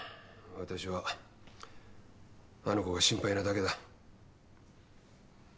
私はあの子が心配なだけだ。